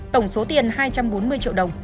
tổng số tiền hai trăm bốn mươi triệu đồng